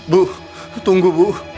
bu tunggu bu